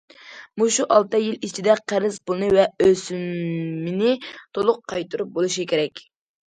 مۇشۇ ئالتە يىل ئىچىدە قەرز پۇلنى ۋە ئۆسۈمىنى تولۇق قايتۇرۇپ بولۇشى كېرەك.